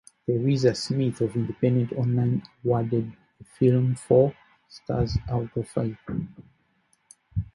Theresa Smith of Independent Online awarded the film four stars out of five.